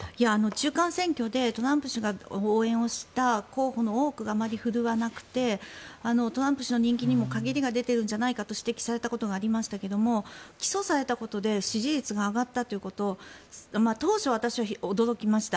中間選挙でトランプ氏が応援した候補の多くがあまり振るわなくてトランプ氏の人気にも陰りが出てるんじゃないかと指摘されたことがありましたが起訴されたことで支持率が上がったということを当初、私は驚きました。